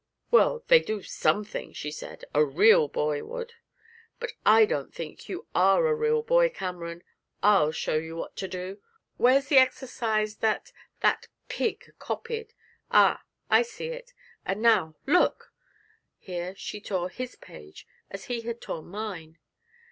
'Well, they do something!' she said; 'a real boy would. But I don't think you are a real boy, Cameron. I'll show you what to do. Where's the exercise that that pig copied? Ah! I see it. And now look!' (Here she tore his page as he had torn mine.)